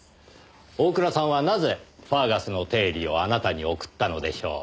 大倉さんはなぜファーガスの定理をあなたに送ったのでしょう。